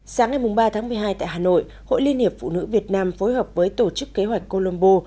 sáng ngày ba tháng một mươi hai tại hà nội hội liên hiệp phụ nữ việt nam phối hợp với tổ chức kế hoạch colombo